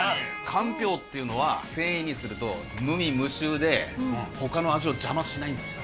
かんぴょうっていうのは繊維にすると無味無臭で他の味を邪魔しないんですよ。